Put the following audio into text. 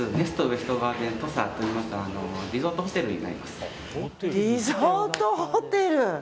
リゾートホテル！